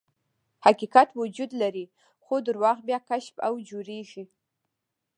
حقیقت وجود لري، خو درواغ بیا کشف او جوړیږي.